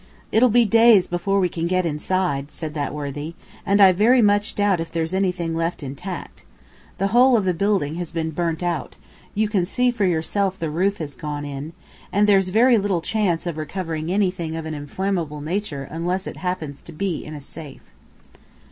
"It'll be days before we can get inside," said that worthy, "and I very much doubt if there's anything left intact. The whole of the building has been burnt out you can see for yourself the roof has gone in and there's very little chance of recovering anything of an inflammable nature unless it happens to be in a safe."